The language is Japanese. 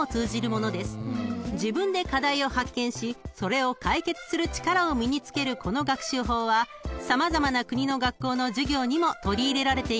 ［自分で課題を発見しそれを解決する力を身に付けるこの学習法は様々な国の学校の授業にも取り入れられています］